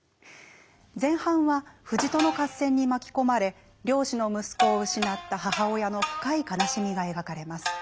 前半は藤戸の合戦に巻き込まれ漁師の息子を失った母親の深い悲しみが描かれます。